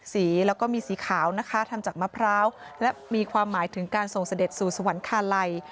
สีแล้วก็มีสีขาวนะคะทำจากมะพร้าวและมีความหมายถึงการส่งเสด็จสู่สวรรคาลัย